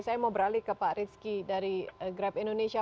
saya mau beralih ke pak rizky dari grab indonesia